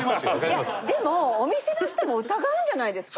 いやでもお店の人も疑うんじゃないですか？